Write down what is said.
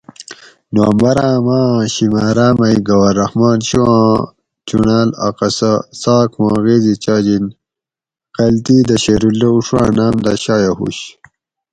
"نومبراۤں ماۤ آں شمارا مئ گوھر رحمان شہواں چُنڑاۤل اۤ قصہ "" څاک ما غیزی چاجِن"" غلطی دہ شیراللّٰہ اشواں ناۤم دہ شایُع ھُوش"